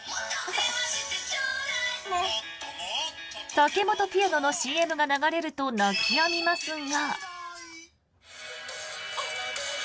タケモトピアノのＣＭが流れると泣きやみますが。